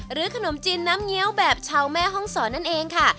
หรือขนมจินน้ำเงี๊วแบบชาวแม่ห้องสอนั่นเองค่ะ